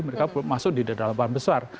mereka masuk di delapan besar